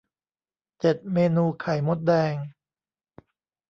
เจ็ด เมนูไข่มดแดง